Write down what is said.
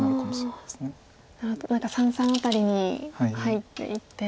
なるほど何か三々辺りに入っていって。